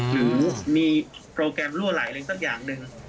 หรือมีโปรแกรมรั่วไหลอะไรสักอย่างหนึ่ง